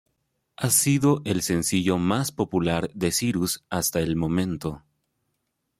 Ha sido el sencillo más popular de Cyrus hasta el momento.